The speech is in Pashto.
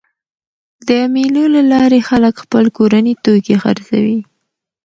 د مېلو له لاري خلک خپل کورني توکي خرڅوي.